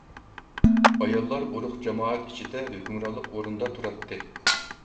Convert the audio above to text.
ئاياللار ئۇرۇق-جامائەت ئىچىدە ھۆكۈمرانلىق ئورۇندا تۇراتتى.